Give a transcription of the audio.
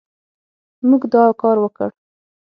موږ دا کار وکړ